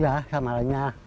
ya sama lainnya